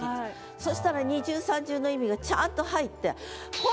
そしたら二重三重の意味がちゃんと入って。